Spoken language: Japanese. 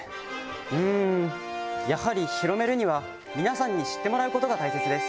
うんやはり広めるには皆さんに知ってもらうことが大切です。